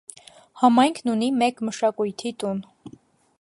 Համայնքն ունի մեկ մշակույթի տուն։